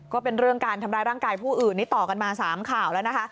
ก็เป็นเรื่องการทำร้ายร่างกายผู้อื่นนี่ต่อกันมา๓ข่าวแล้วนะคะ